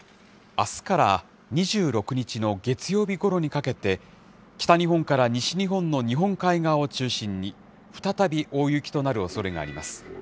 あすから２６日の月曜日ごろにかけて、北日本から西日本の日本海側を中心に、再び大雪となるおそれがあります。